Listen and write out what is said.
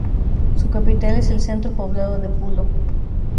Su capital es el centro poblado de Pullo.